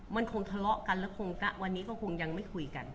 มันคงทะเลาะกันแล้วคงวันนี้ก็คงยังไม่คุยกัน